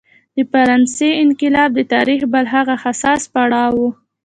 د فرانسې انقلاب د تاریخ بل هغه حساس پړاو و.